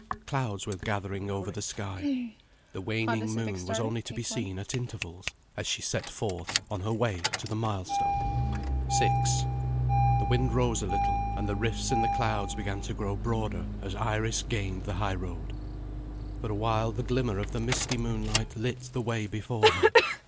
Clouds were gathering over the sky. The waning moon was only to be seen at intervals, as she set forth on her way to the milestone. VI THE wind rose a little, and the rifts in the clouds began to grow broader as Iris gained the high road. For a while, the glimmer of the misty moonlight lit the way before her.